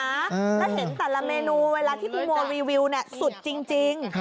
ถ้าเห็นแต่ละเมนูเวลาที่ครูโมรีวิวเนี่ยสุดจริง